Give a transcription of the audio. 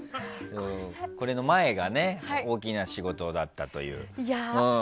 これの前が大きな仕事だったという。